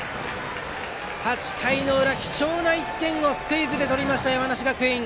８回の裏、貴重な１点をスクイズでとりました、山梨学院。